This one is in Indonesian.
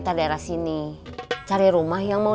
tapi belum dapet